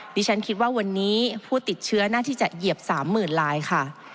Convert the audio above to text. ดิฉันคิดว่าวันนี้ผู้ติดเชื้อน่าที่จะเหยียบ๓๐๐๐ลายค่ะ